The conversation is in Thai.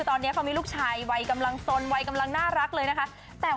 ตอนนี้เขามีลูกชายวัยกำลังสนวัยกำลังน่ารักเลยนะคะ